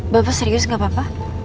bapak serius gak apa apa